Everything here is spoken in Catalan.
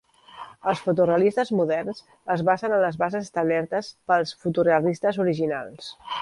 Els fotorealistes moderns es basen en les bases establertes pels fotorealistes originals.